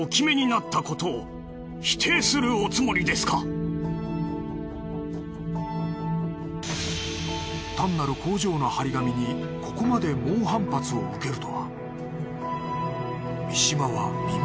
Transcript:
古参の幹部たちは単なる工場の貼り紙にここまで猛反発を受けるとは。